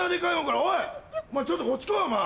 お前ちょっとこっち来い！